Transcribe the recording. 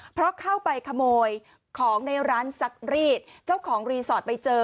เพราะเข้าไปขโมยของในร้านซักรีดเจ้าของรีสอร์ทไปเจอ